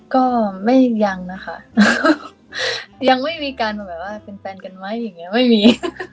ก็ยังนะคะยังไม่มีการแบบว่าเป็นแฟนกันไหมไม่มี